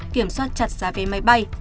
kiểm soát chặt giá vé máy bay